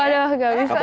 aduh gak bisa